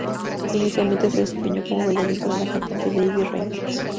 Inicialmente se desempeñó como bailarín para la cantante Debbie Reynolds.